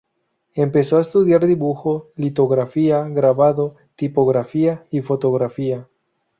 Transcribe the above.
Empezó a estudiar dibujo, litografía, grabado, tipografía y fotografía.